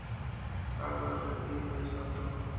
Álvaro de Silva y Soto.